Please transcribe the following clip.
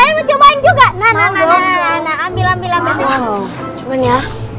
hai hai puntung memb perceber memisahkan saya